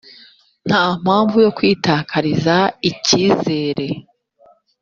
ntampamvu yokwitakariza ikizere.